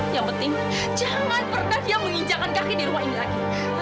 yang penting jangan pernah dia menginjakan kaki di rumah ini lagi